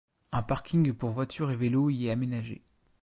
Un parking pour voitures et vélos y est aménagé.